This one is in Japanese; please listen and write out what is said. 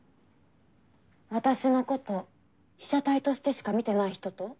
私のこと被写体としてしか見てない人と？